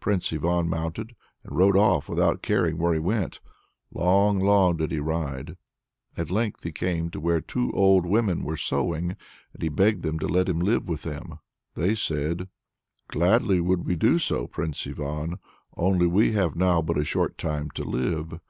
Prince Ivan mounted, and rode off without caring where he went. Long, long did he ride. At length he came to where two old women were sewing and he begged them to let him live with them. But they said: "Gladly would we do so, Prince Ivan, only we have now but a short time to live.